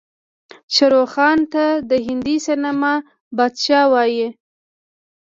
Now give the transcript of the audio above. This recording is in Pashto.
شاروخ خان ته د هندي سينما بادشاه وايې.